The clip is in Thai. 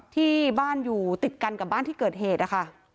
ที่บ้านอยู่ติดกันกับบ้านที่เกิดเหตุนะคะ